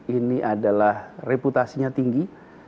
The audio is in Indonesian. ini reputasinya tinggi